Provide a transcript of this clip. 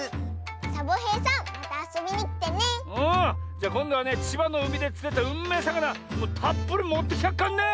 じゃこんどはねちばのうみでつれたうんめえさかなたっぷりもってきてやっからね！